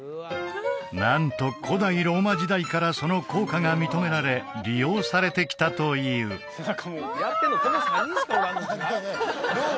なんと古代ローマ時代からその効果が認められ利用されてきたといううわハハハッ！